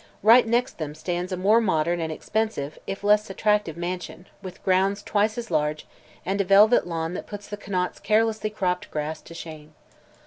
Right next them stands a more modern and expensive, if less attractive, mansion, with grounds twice as large and a velvet lawn that puts the Conants' carelessly cropped grass to shame.